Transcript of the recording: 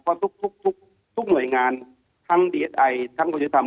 เพราะทุกหน่วยงานทั้งดีเอสไอทั้งคุณยุธรรม